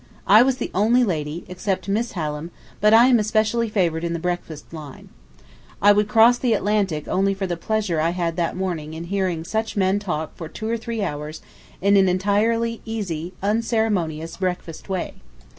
I was the only lady, except Miss Hallam; but I am especially favored in the breakfast line. I would cross the Atlantic only for the pleasure I had that morning in hearing such men talk for two or three hours in an entirely easy unceremonious breakfast way.